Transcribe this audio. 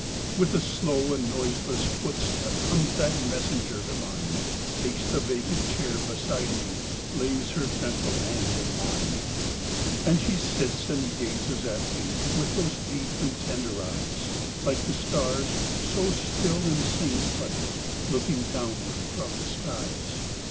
With a slow and noiseless footstepComes that messenger divine, Takes the vacant chair beside me, Lays her gentle hand in mine. And she sits and gazes at meWith those deep and tender eyes, Like the stars, so still and saint like, Looking downward from the skies.